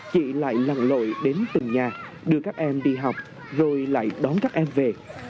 chị lại lặn lội đến từng nhà đưa các em đi học rồi lại đón các em về